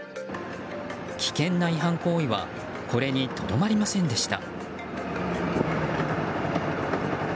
危険な違反行為はこれにとどまりませんでした。